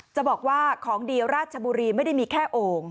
จะบอกว่าของดีราชบุรีไม่ได้มีแค่โอ่ง